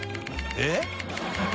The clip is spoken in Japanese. えっ？